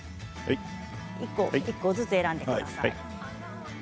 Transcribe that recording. １個ずつ選んでください。